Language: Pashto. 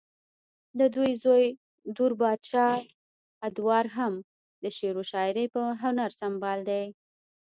ددوي زوے دور بادشاه ادوار هم د شعرو شاعرۍ پۀ هنر سنبال دے